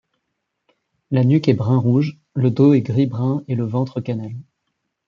La nuque est brun-rouge, le dos est gris-brun et le ventre cannelle.